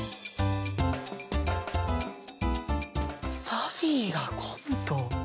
サフィーがコント。